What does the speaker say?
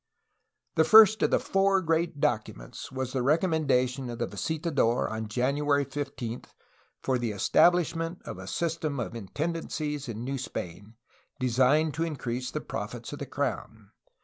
The first of the four great documents was the recommenda tion of the visitador y on January 15, for the estabUshment of a system of intendancies in New Spain, designed to increase the profits of the crown.